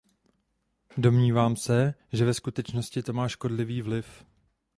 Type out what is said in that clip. Domnívám se, že ve skutečnosti to má škodlivý vliv.